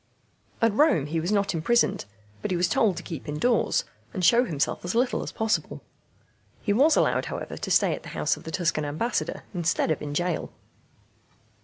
At Rome he was not imprisoned, but he was told to keep indoors, and show himself as little as possible. He was allowed, however, to stay at the house of the Tuscan Ambassador instead of in gaol.